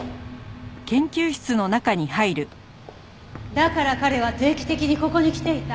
だから彼は定期的にここに来ていた。